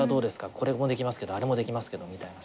これもできますけどあれもできますけどみたいなさ。